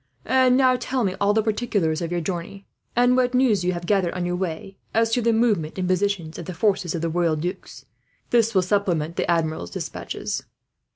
"And now, tell me all particulars of your journey; and what news you have gathered, on your way, as to the movement and positions of the forces of the royal dukes. This will supplement the Admiral's despatches."